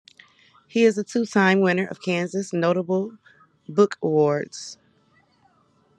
He is a two-time winner of Kansas Notable Book Awards.